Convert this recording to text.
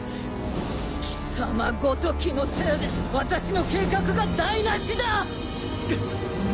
貴様ごときのせいで私の計画が台無しだ！